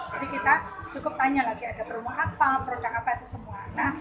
untuk memenuhi kebutuhan nasabah dalam menjalankan transaksi usahanya